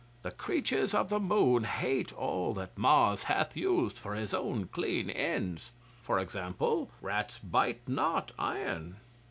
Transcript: The Creatures of the Moon hate all that Mars hath used for his own clean ends. For example rats bite not iron.